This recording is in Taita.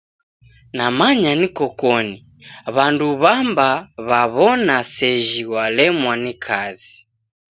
Namanya nikokoni, w'andu w'amba w'aw'ona sejhi walemwa ni kazi.